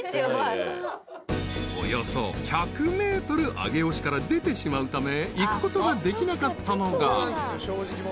上尾市から出てしまうため行くことができなかったのが］